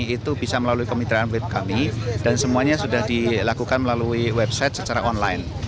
itu bisa melalui kemitraan web kami dan semuanya sudah dilakukan melalui website secara online